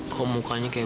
kok mukanya kayak begitu